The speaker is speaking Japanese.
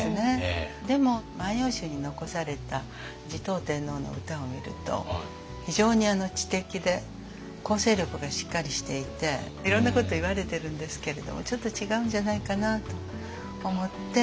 でも「万葉集」に残された持統天皇の歌を見ると非常に知的で構成力がしっかりしていていろんなこと言われてるんですけれどもちょっと違うんじゃないかなと思って。